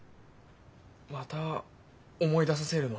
また思い出させるの？